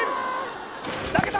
投げた！